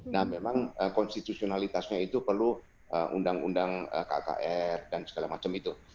nah memang konstitusionalitasnya itu perlu undang undang kkr dan segala macam itu